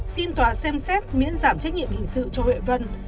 xin tòa xem xét miễn giảm trách nhiệm hình sự cho huệ vân